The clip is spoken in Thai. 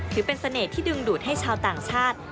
ถือเป็นเสน่ห์ที่ดึงดูดให้ชาวต่างชาติ